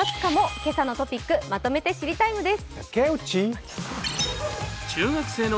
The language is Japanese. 「けさのトピックまとめて知りＴＩＭＥ，」です。